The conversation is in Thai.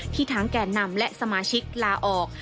ทั้งแก่นำและสมาชิกลาออก